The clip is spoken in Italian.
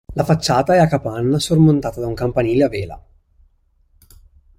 La facciata è a capanna sormontata da un campanile a vela.